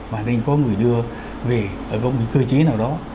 mà nên có người đưa về ở góc những cơ chế nào đó